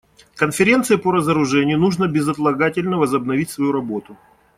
Конференции по разоружению нужно безотлагательно возобновить свою работу.